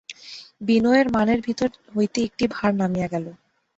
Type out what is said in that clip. বিনয়ের মনের ভিতর হইতে একটা ভার নামিয়া গেল।